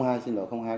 và văn bản hợp nhất hai